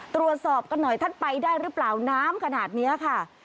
ตรวจสอบกันหน่อยท่านไปได้หรือเปล่าน้ำขนาดนี้ค่ะ